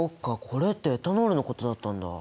これってエタノールのことだったんだ。